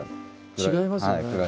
違いますよね。